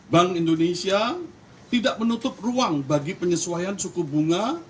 bank indonesia tidak menutup ruang bagi penyesuaian suku bunga